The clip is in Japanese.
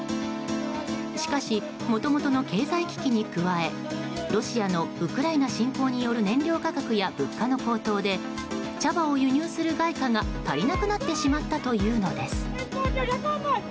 しかしもともとの経済危機に加えロシアのウクライナ侵攻による燃料価格や物価の高騰で茶葉を輸入する外貨が足りなくなってしまったというのです。